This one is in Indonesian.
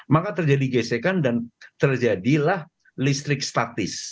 maka terjadi gesekan dan terjadilah listrik statis